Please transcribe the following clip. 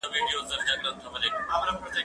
زه پرون کتابتون ته راغلم؟!